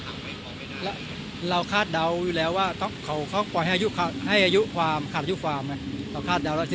คิดอยู่แล้วมันจะเป็นการผิดธรรมชาติ